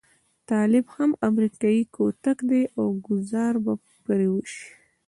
طالب هم امريکايي کوتک دی او ګوزار به پرې وشي.